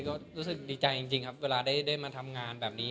ก็รู้สึกดีใจจริงครับเวลาได้มาทำงานแบบนี้